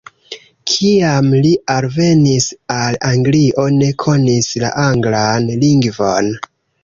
Kiam li alvenis al Anglio ne konis la anglan lingvon.